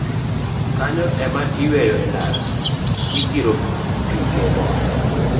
Kanyo ema iyweyo e ndara, ikiro pi kendo